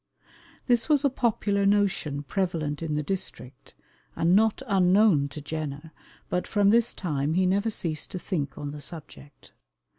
This was a popular notion prevalent in the district, and not unknown to Jenner, but from this time he never ceased to think on the subject.